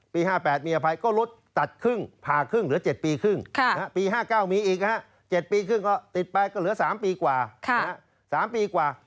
๕๘มีอภัยก็ลดตัดครึ่งผ่าครึ่งเหลือ๗ปีครึ่งปี๕๙มีอีก๗ปีครึ่งก็ติดไปก็เหลือ๓ปีกว่า๓ปีกว่า